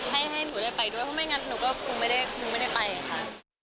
ให้หนูได้ไปด้วยเพราะไม่อย่างนั้นหนูก็คงไม่ได้ไปค่ะ